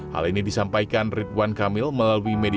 hal ini disampaikan ridwan kamil melalui media